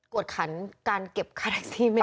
กฎขันการเก็บค่าทักซี่ไม่ได้